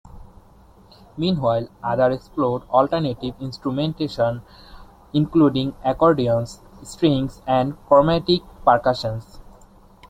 Meanwhile, others explored alternative instrumentation, including accordions, strings and chromatic percussion.